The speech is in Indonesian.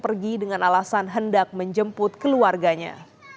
pergi dengan alasan hendak menjemput keluarganya